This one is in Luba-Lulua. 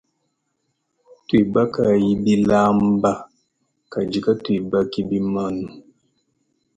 Tuibakayi bilaamba kadi katuibaki bimanu.